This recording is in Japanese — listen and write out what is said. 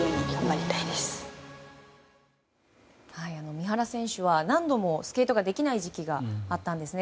三原選手は何度もスケートができない時期があったんですね。